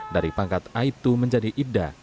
dari pangkat aiptu menjadi ipda